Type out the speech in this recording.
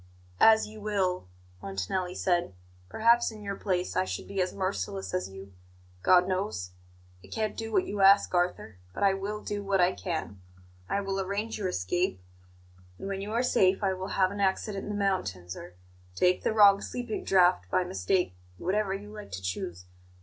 "As you will," Montanelli said. "Perhaps in your place I should be as merciless as you God knows. I can't do what you ask, Arthur; but I will do what I can. I will arrange your escape, and when you are safe I will have an accident in the mountains, or take the wrong sleeping draught by mistake whatever you like to choose.